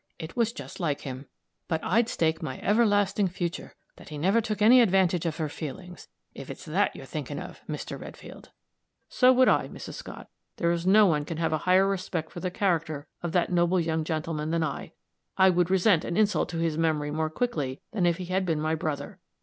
It was just like him. But I'd stake my everlasting futur' that he never took any advantage of her feelings, if it's that you're thinking of, Mr. Redfield." "So would I, Mrs. Scott. There is no one can have a higher respect for the character of that noble young gentleman, than I. I would resent an insult to his memory more quickly than if he had been my brother.